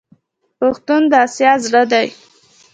پښتون د اسیا زړه دی.